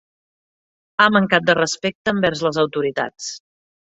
Ha mancat de respecte envers les autoritats.